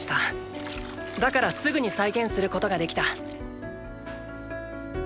だからすぐに再現することができた。